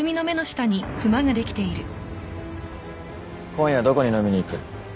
今夜どこに飲みに行く？